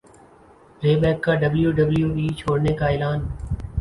رے بیک کا W W E چھوڑنے کا اعلان